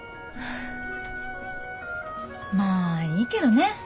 まあいいけどね。